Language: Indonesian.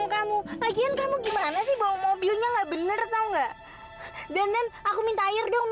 dan dan aku minta air dong minta air